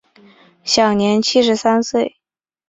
享年七十三岁。